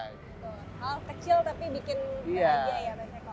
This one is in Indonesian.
hal kecil tapi bikin bahagia ya mas eko